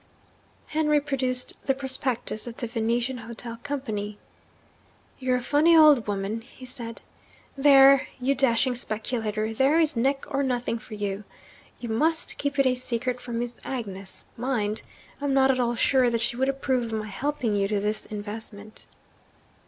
Henry produced the prospectus of the Venetian Hotel Company. 'You're a funny old woman,' he said. 'There, you dashing speculator there is neck or nothing for you! You must keep it a secret from Miss Agnes, mind. I'm not at all sure that she would approve of my helping you to this investment.'